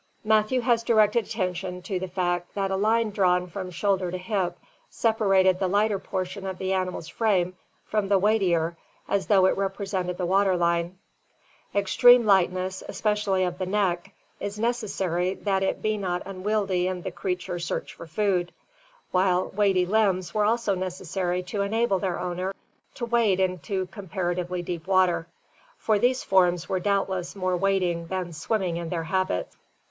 Matthew has directed attention to the fact that a line drawn from shoulder to hip separates the lighter portion of the animal's frame from the weightier as though it represented the water line. Extreme lightness, especially 5H ORGANIC EVOLUTION of the neck, is necessary that it be not unwieldy in the creature's search for food, while weighty limbs were also necessary to enable their owner to wade into comparatively deep water, for these forms were doubtless more wading than swimming in their habits.